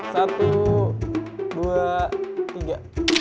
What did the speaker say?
satu dua tiga